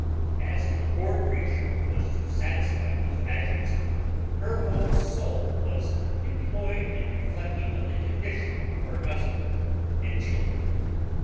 As to the poor creature who was to satisfy these passions, her whole soul was employed in reflecting on the condition of her husband and children.